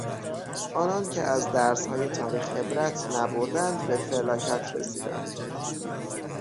آنان که از درسهای تاریخ عبرت نبردند به فلاکت رسیدند.